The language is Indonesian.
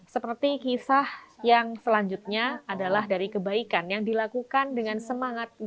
seperti kisah yang selanjutnya adalah dari kebaikan yang dilakukan dengan semangat